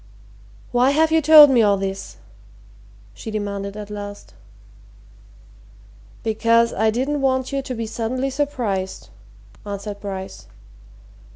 "Why have you told me all this?" she demanded at last. "Because I didn't want you to be suddenly surprised," answered Bryce.